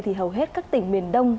thì hầu hết các tỉnh miền đông